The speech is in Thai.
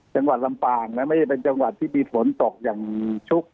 จังหวัดลำปางนะไม่ใช่เป็นจังหวัดที่มีฝนตกอย่างชุก